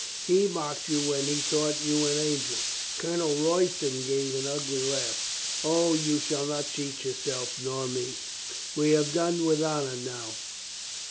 "He mocked you when he thought you an angel," Colonel Royston gave an ugly laugh. "O, you shall not cheat yourself nor me. We have done with honor now.